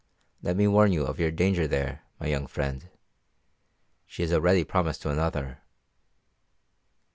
"Let me warn you of your danger there, my young friend. She is already promised to another."